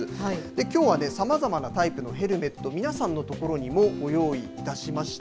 きょうはさまざまなタイプのヘルメット、皆さんの所にもご用意いたしました。